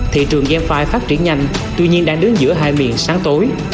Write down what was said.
thị trường game file phát triển nhanh tuy nhiên đang đứng giữa hai miệng sáng tối